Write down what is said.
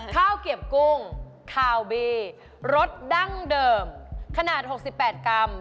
ข้าวเก็บกุ้งคาวบีรสดั้งเดิมขนาด๖๘กรัม